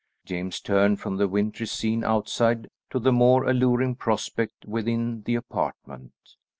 James turned from the wintry scene outside to the more alluring prospect within the apartment.